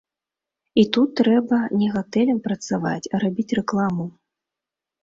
І тут трэба не гатэлям працаваць, а рабіць рэкламу.